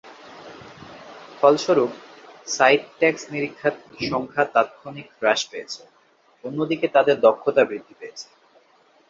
ফলস্বরূপ, site tax নিরীক্ষার সংখ্যা তাত্ক্ষণিক হ্রাস পেয়েছে, অন্যদিকে তাদের দক্ষতা বৃদ্ধি পেয়েছে।